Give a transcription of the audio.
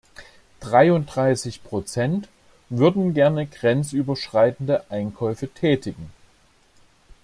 Dreiunddreißig Prozent würden gerne grenzüberschreitende Einkäufe tätigen.